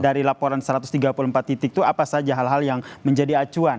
dari laporan satu ratus tiga puluh empat titik itu apa saja hal hal yang menjadi acuan